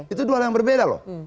itu dua hal yang berbeda loh